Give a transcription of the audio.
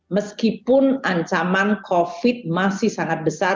meskipun ancaman covid sembilan belas masih sangat besar